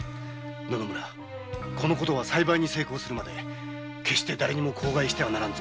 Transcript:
この事は栽培に成功するまでだれにも口外してはならぬぞ。